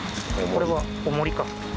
これはおもりか。